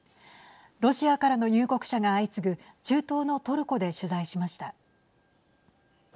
ロシアからの入国者が相次ぐ中東のトルコで取材しました。